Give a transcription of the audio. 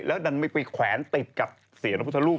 แล้วดันไม่ไปแขวนติดกับเสียพระพุทธรูป